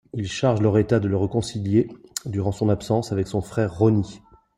Il charge Loretta de le réconcilier durant son absence avec son frère Ronny.